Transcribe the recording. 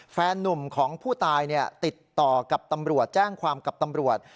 แฟนนุ่มของผู้ตายติดต่อกับตำรวจแจ้งความกับตำรวจ